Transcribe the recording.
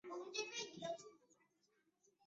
足利义持是第三代将军足利义满的庶子。